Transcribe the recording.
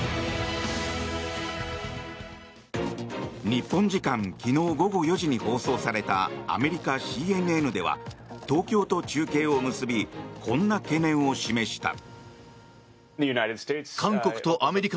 日本時間昨日午後４時に放送された、アメリカＣＮＮでは東京と中継を結びこんな懸念を示した。